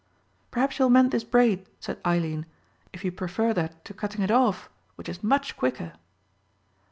"Perhaps you'll mend this braid," said Eileen, "if you prefer that to cutting it off, which is much quicker."